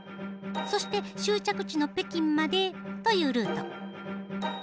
そして終着地の北京までというルート。